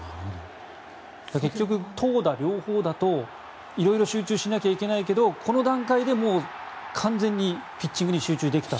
結局、投打両方だといろいろ集中しないといけないけどこの段階でもう完全にピッチングに集中できたと。